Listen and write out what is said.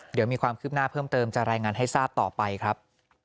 เดี๋ยวมีความคืบหน้าเพิ่มเติมจะรายงานให้ทราบต่อไปครับ